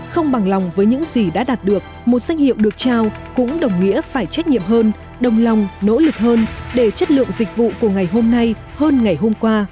không bằng lòng với những gì đã đạt được một danh hiệu được trao cũng đồng nghĩa phải trách nhiệm hơn đồng lòng nỗ lực hơn để chất lượng dịch vụ của ngày hôm nay hơn ngày hôm qua